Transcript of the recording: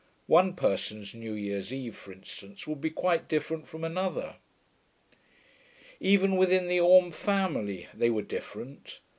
One person's new year's eve, for instance, will be quite different from another. Even within the Orme family, they were different.